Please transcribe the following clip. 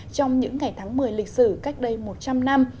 trong những ngày tháng một mươi lịch sử cách đây một trăm linh năm